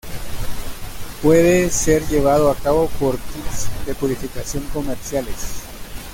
Puede ser llevado a cabo por kits de purificación comerciales.